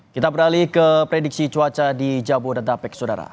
kita beralih ke prediksi cuaca di jabodetabek saudara